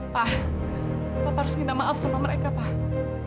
pak bapak harus minta maaf sama mereka pak